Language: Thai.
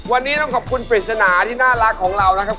วันนี้ต้องขอบคุณปริศนาที่น่ารักของเรานะครับ